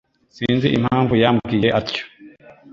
Sinzi impamvu yambwiye atyo.